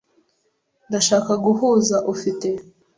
Ndashaka guhuza. Ufite?